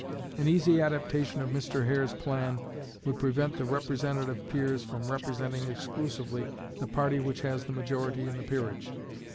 An easy adaptation of Mr. Hare's plan would prevent the representative peers from representing exclusively the party which has the majority in the peerage.